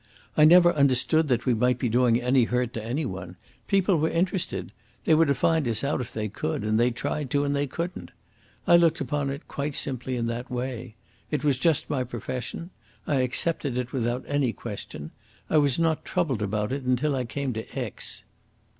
"I never understood that we might be doing any hurt to any one. People were interested. They were to find us out if they could, and they tried to and they couldn't. I looked upon it quite simply in that way. It was just my profession. I accepted it without any question. I was not troubled about it until I came to Aix."